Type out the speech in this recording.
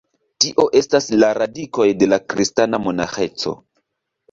Tio estas la radikoj de la kristana monaĥeco.